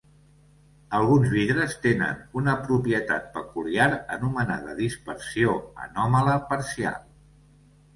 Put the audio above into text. Alguns vidres tenen una propietat peculiar anomenada dispersió anòmala parcial.